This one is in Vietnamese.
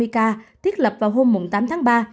ba mươi hai sáu trăm năm mươi ca tiết lập vào hôm tám tháng ba